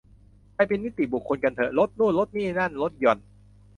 ไปเป็นนิติบุคคลกันเต๊อะ ลดนู่นนี่นั่น ลดหย่อน